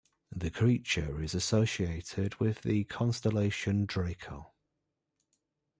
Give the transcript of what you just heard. The creature is associated with the constellation Draco.